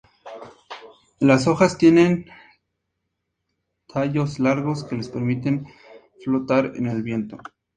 Las hojas tienen tallos largos que les permiten flotar en el viento.